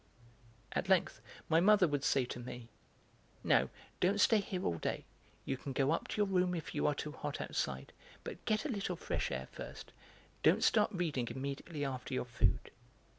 At length my mother would say to me: "Now, don't stay here all day; you can go up to your room if you are too hot outside, but get a little fresh air first; don't start reading immediately after your food."